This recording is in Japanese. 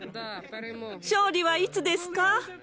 勝利はいつですか？